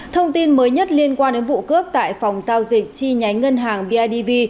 thông tin mới nhất liên quan đến vụ cướp tại phòng giao dịch chi nhánh ngân hàng bidv